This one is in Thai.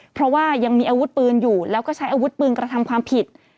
เพราะว่ายังมีอาวุธปืนอยู่แล้วก็ใช้อาวุธปืนกระทำความผิด